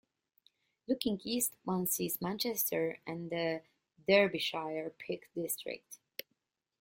Looking east one sees Manchester and the Derbyshire Peak District.